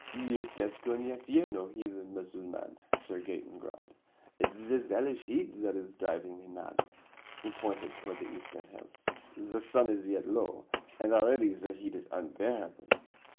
"We of Gascony fear no heathen Musselman," Sir Gaeton growled. "It's this Hellish heat that is driving me mad." He pointed toward the eastern hills. "The sun is yet low, and already the heat is unbearable."